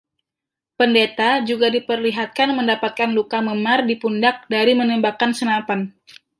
Pendeta juga diperlihatkan mendapatkan luka memar di pundak dari menembakkan senapan.